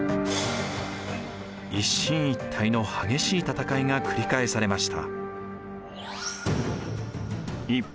一進一退の激しい戦いが繰り返されました。